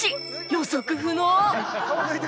予測不能